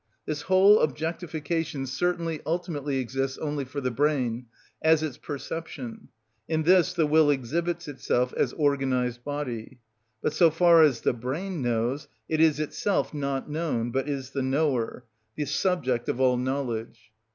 This whole objectification certainly ultimately exists only for the brain, as its perception: in this the will exhibits itself as organised body. But so far as the brain knows, it is itself not known, but is the knower, the subject of all knowledge.